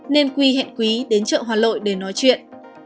nên quý hẹn quý đến chợ hòa lợi để nói chuyện